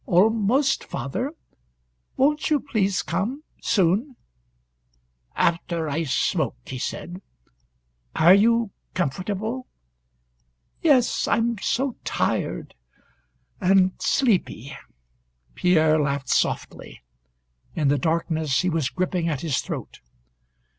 "Almost, father. Won't you please come soon?" "After I smoke," he said. "Are you comfortable?" "Yes, I'm so tired and sleepy " Pierre laughed softly. In the darkness he was gripping at his throat.